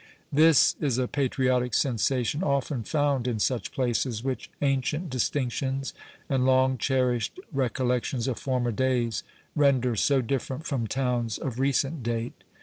This is a patriotic sensation often found in such places, which ancient distinctions and long cherished recollections of former days, render so different from towns of recent date.